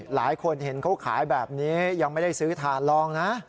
หลายคนเห็นเขาขายแบบนี้ยังไม่ได้ซื้อถ่านลองนะ